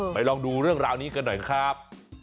ลองดูเรื่องราวนี้กันหน่อยครับ